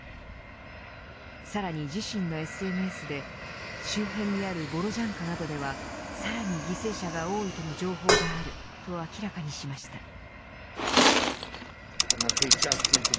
さらに自身のＳＮＳで周辺にあるボロジャンカなどではさらに犠牲者が多いとの情報があると明らかにしました。